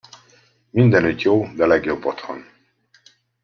Mindenütt jó, de legjobb otthon.